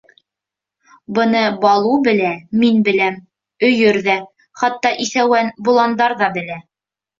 Быны Балу белә, мин беләм, өйөр ҙә, хатта иҫәүән боландар ҙа белә.